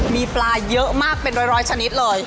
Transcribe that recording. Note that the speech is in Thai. มีปลาเยอะมากเป็นร้อยชนิดเลย